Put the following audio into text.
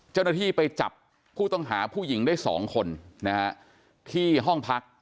เจ้าหน้าที่ไปจับผู้ต้องหาผู้หญิงได้๒คนนะฮะที่ห้องพัก